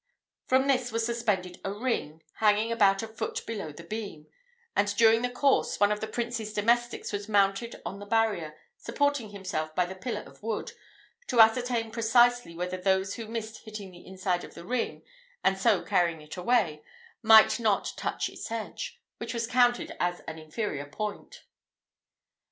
From this was suspended a ring, hanging about a foot below the beam; and, during the course, one of the Prince's domestics was mounted on the barrier, supporting himself by the pillar of wood, to ascertain precisely whether those who missed hitting the inside of the ring, and so carrying it away, might not touch its edge, which was counted as an inferior point.